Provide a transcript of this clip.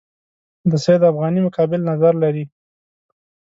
د سید افغاني مقابل نظر لري.